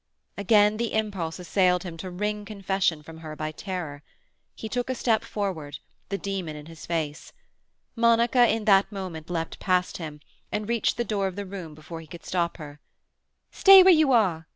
Again the impulse assailed him to wring confession from her by terror. He took a step forward, the demon in his face. Monica in that moment leapt past him, and reached the door of the room before he could stop her. "Stay where you are!"